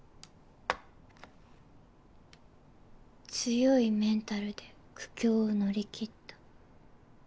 「強いメンタルで苦境を乗り切った！」。